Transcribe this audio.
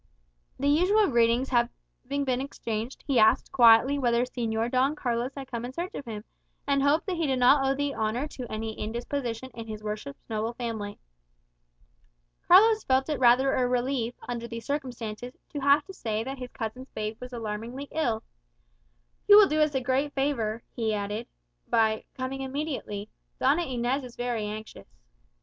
The usual greetings having been exchanged, he asked quietly whether Señor Don Carlos had come in search of him, and hoped that he did not owe the honour to any indisposition in his worship's noble family. Carlos felt it rather a relief, under the circumstances, to have to say that his cousin's babe was alarmingly ill. "You will do us a great favour," he added, "by coming immediately. Doña Inez is very anxious."